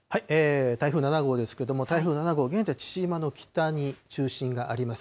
台風７号ですけど、台風７号、現在、父島の北に中心があります。